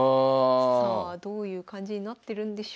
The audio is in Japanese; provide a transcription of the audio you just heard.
さあどういう感じになってるんでしょうか。